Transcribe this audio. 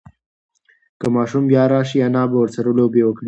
که ماشوم بیا راشي، انا به ورسره لوبه وکړي.